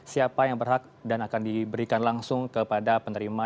siapa yang berhak dan akan diberikan langsung kepada penerima